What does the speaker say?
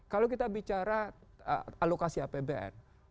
kalau kita bicara alokasi apbn